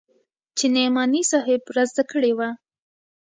چې نعماني صاحب رازده کړې وه.